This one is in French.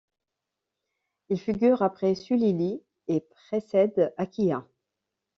Il figure après Sulili et précède Akiya.